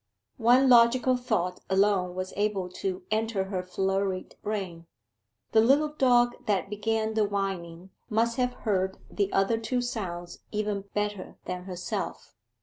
One logical thought alone was able to enter her flurried brain. The little dog that began the whining must have heard the other two sounds even better than herself.